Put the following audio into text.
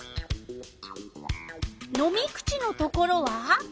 飲み口のところは？